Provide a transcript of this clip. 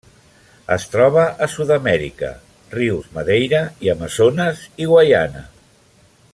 Es troba a Sud-amèrica: rius Madeira i Amazones, i Guaiana.